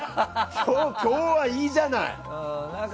今日はいいじゃない！